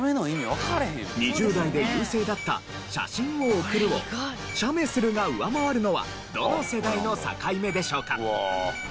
２０代で優勢だった「写真を送る」を「写メする」が上回るのはどの世代の境目でしょうか？